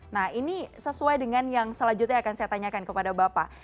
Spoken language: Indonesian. nah ini sesuai dengan yang selanjutnya akan saya tanyakan kepada bapak